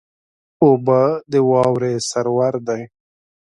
اوبه د واورې سرور دي.